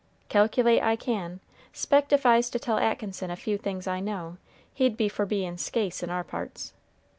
"Calculate I can. 'Spect if I's to tell Atkinson a few things I know, he'd be for bein' scase in our parts.